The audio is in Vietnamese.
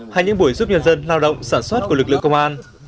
hay những buổi giúp nhân dân lao động sản xuất của lực lượng công an